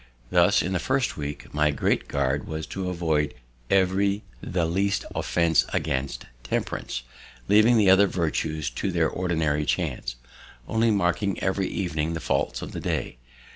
Thus, in the first week, my great guard was to avoid every the least offense against Temperance, leaving the other virtues to their ordinary chance, only marking every evening the faults of the day.